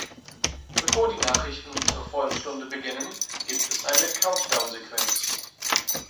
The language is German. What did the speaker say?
Bevor die Nachrichten zur vollen Stunde beginnen, gibt es eine Countdown-Sequenz.